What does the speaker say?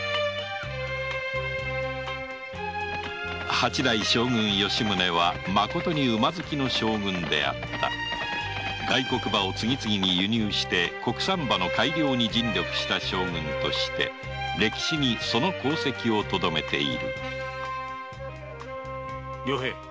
八代将軍・吉宗はまことに馬好きの将軍であった外国馬を次々に輸入して国産馬の改良に尽力した将軍として歴史にその功績をとどめている良平。